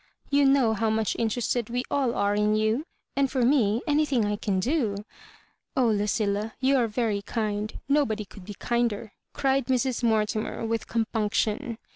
"You know how much interested we all are in you ; and for me, anything I can do "" Oh, Lucilla, you are very kind ; nobody could be kinder," cried Mr& Mortimer, with com punction.